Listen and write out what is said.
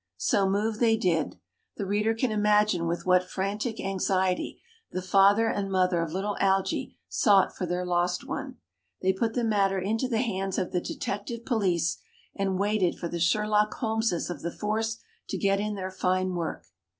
So move they did. The reader can imagine with what frantic anxiety the father and mother of little Algy sought for their lost one. They put the matter into the hands of the detective police, and waited for the Sherlock Holmeses of the force to get in their fine work.